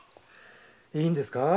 いいんですか？